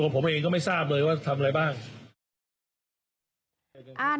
ผมเองก็ไม่ทราบเลยว่าทำอะไรบ้าง